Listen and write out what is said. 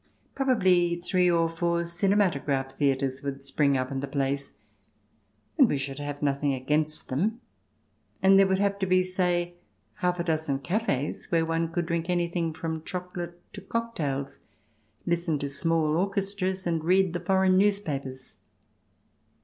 Probably three or four cinematograph theatres would spring up in the place, and we should have nothing against them. And there would have to be, say, half a dozen cafes where one could drink anything from chocolate to cocktails, listen to small orchestras, and read the foreign newspapers.